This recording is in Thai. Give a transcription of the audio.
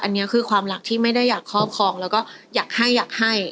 อันนี้คือความรักที่ไม่ได้อยากครอบครองแล้วก็อยากให้อยากให้